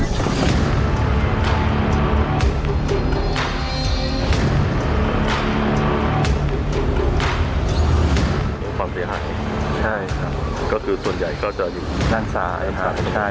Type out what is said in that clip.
จากความเสียหายคือส่วนใหญ่ก็จะอยู่ด้านซ้าย